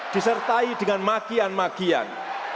disertai dengan makian makian